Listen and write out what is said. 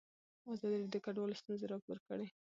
ازادي راډیو د کډوال ستونزې راپور کړي.